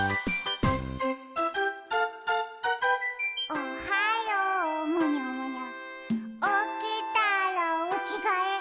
「おはようむにゃむにゃおきたらおきがえ」